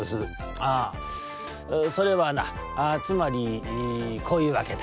「ああそれはなあつまりこういうわけだ。